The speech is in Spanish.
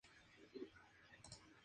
Plutón sería el ""plutón"" arquetípico.